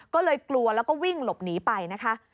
ก็เลยกลัวแล้วก็วิ่งหลบหนีไปนะคะ